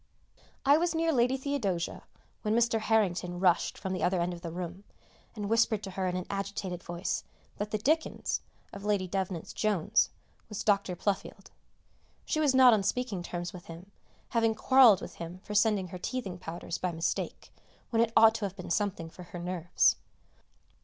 I was near Lady Theodosia when Mr. Harrington rushed from the other end of the room, and whispered to her in an agitated voice that the "Dickens" of Lady Devnant's "Jones" was Dr. Pluffield. She was not on speaking terms with him, having quarrelled with him for sending her teething powders by mistake, when it ought to have been something for her nerves.